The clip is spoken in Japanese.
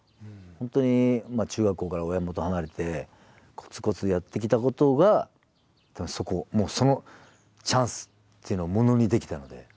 本当に中学校から親元離れてコツコツやってきたことがそのチャンスというのをものにできたので。